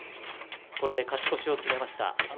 これで勝ち越しを決めました。